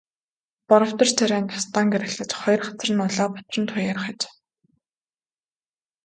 Боровтор царай нь тос даан гэрэлтэж, хоёр хацар нь улаа бутран туяарах аж.